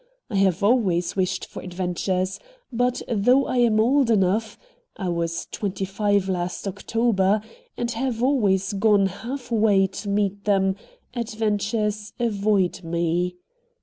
I have always wished for adventures, but, though I am old enough I was twenty five last October and have always gone half way to meet them, adventures avoid me.